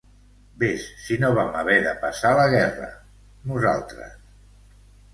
Ves si no vam haver de passar la guerra, nosaltres!